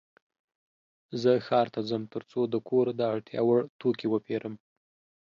زه ښار ته ځم ترڅو د کور د اړتیا وړ توکې وپيرم.